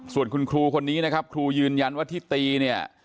ส่วนคุณครูคนนี้นะครับครูยืนยันว่าที่ตีเนี่ย